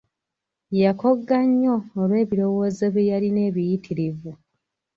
Yakogga nnyo olw'ebirowoozo bye yalina ebiyitirivu.